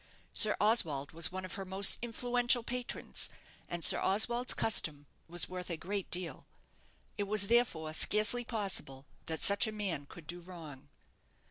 Sir Oswald was one of her most influential patrons, and Sir Oswald's custom was worth a great deal. It was, therefore, scarcely possible that such a man could do wrong.